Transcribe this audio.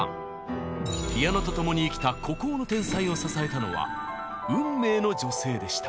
ピアノと共に生きた孤高の天才を支えたのは運命の女性でした。